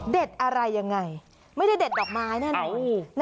อะไรยังไงไม่ได้เด็ดดอกไม้แน่นอน